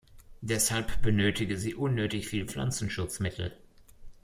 Deshalb benötige sie unnötig viel Pflanzenschutzmittel.